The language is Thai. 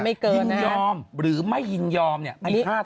ว่ายินยอมหรือไม่ยินยอมนี่มีค่าเพิ่มไป